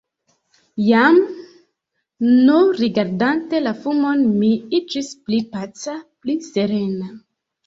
Jam, nur rigardante la fumon, mi iĝis pli paca, pli serena.